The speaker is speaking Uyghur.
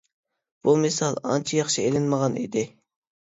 بۇ مىسال ئانچە ياخشى ئېلىنمىغان ئىدى.